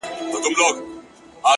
قدم کرار اخله زړه هم لکه ښيښه ماتېږي’